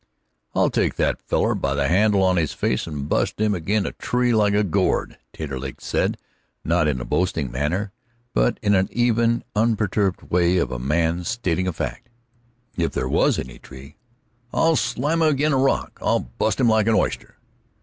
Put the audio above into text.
"I'll take that feller by the handle on his face and bust him ag'in' a tree like a gourd," Taterleg said, not in boasting manner, but in the even and untroubled way of a man stating a fact. "If there was any tree." "I'll slam him ag'in' a rock; I'll bust him like a oyster."